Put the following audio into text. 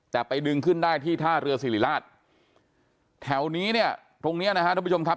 แต่ไปดึงขึ้นได้ที่ท่าเรือศิริราชแถวนี้เนี่ยตรงเนี้ยนะฮะทุกผู้ชมครับ